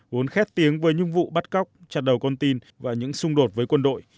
vốn khét tiếng với những vụ bắt cóc chặt đầu con tin và những xung đột với quân đội